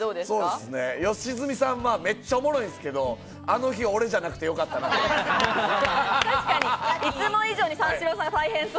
良純さんはめっちゃおもろいんですけど、あの日、俺じゃなくてよかったなっていう。